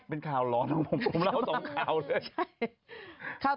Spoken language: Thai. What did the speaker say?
เป็นข่าวหลอนของผมผมเล่าสองข่าวเลย